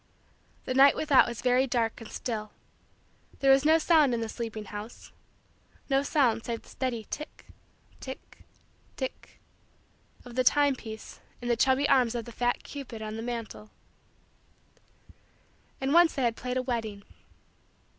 The night without was very dark and still. There was no sound in the sleeping house no sound save the steady tick, tick, tick, of the time piece in the chubby arms of the fat cupid on the mantle. And once they had played a wedding.